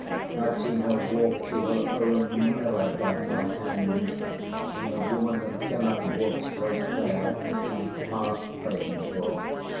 IŌĆÖve seen her walk to her own mirror by bye ends, and the woman that cannot walk straight there is past praying for.